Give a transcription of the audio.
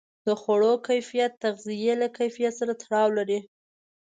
د خوړو کیفیت د تغذیې له کیفیت سره تړاو لري.